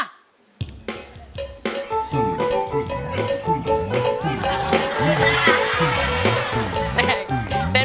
สวัสดีครับ